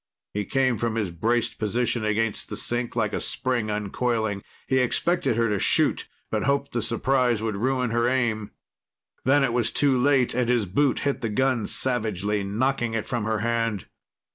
He came from his braced position against the sink like a spring uncoiling. He expected her to shoot, but hoped the surprise would ruin her aim. Then it was too late, and his boot hit the gun savagely, knocking it from her hand.